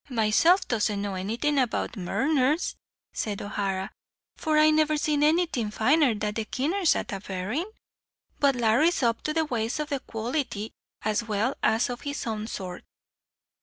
"Myself doesn't know anything about murners," said O'Hara, "for I never seen anything finer than the keeners at a berrin'; but Larry's up to the ways of the quolity, as well as of his own sort."